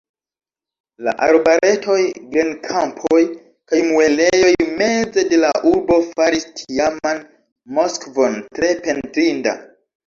La arbaretoj, grenkampoj kaj muelejoj meze de la urbo faris tiaman Moskvon tre pentrinda.